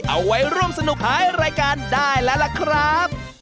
เอาไว้ร่วมสนุกหายรายการได้แล้วล่ะครับ